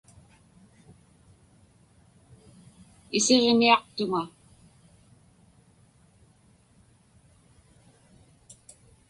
Isiġniaqtuŋa.